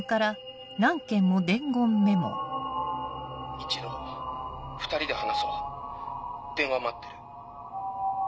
一度２人で話そう電話待ってる。